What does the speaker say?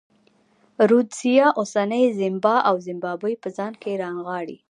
رودزیا اوسنۍ زیمبیا او زیمبابوې په ځان کې رانغاړي.